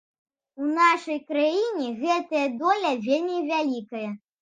У нашай краіне гэтая доля вельмі вялікая.